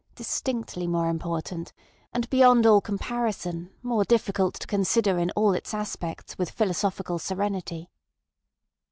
Distinctly more important, and beyond all comparison more difficult to consider in all its aspects with philosophical serenity.